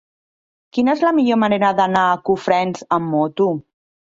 Quina és la millor manera d'anar a Cofrents amb moto?